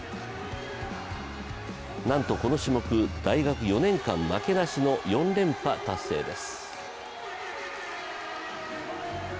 なんとこの種目、大学４年間負けなしの４連覇達成です。